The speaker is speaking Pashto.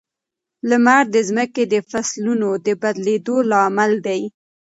لمر د ځمکې د فصلونو د بدلېدو لامل دی.